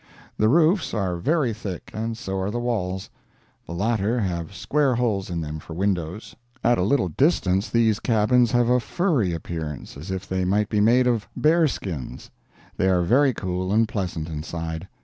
The roofs are very thick and so are the walls; the latter have square holes in them for windows. At a little distance these cabins have a furry appearance, as if they might be made of bear skins. They are very cool and pleasant inside.